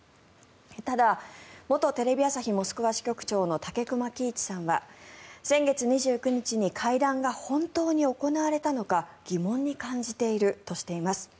ただ元テレビ朝日モスクワ支局長の武隈喜一さんは先月２９日に会談が本当に行われたのか疑問に感じているとしています。